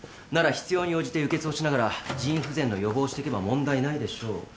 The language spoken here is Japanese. なら必要に応じて輸血をしながら腎不全の予防をしていけば問題ないでしょう。